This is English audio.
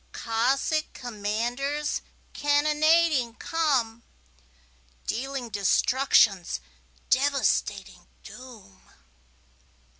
Cossack commanders cannonading come, Dealing destruction's devastating doom.